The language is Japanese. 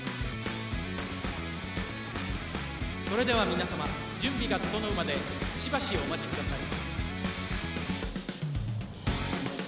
それでは皆様準備が整うまでしばしお待ちください